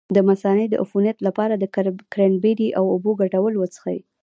د مثانې د عفونت لپاره د کرینبیري او اوبو ګډول وڅښئ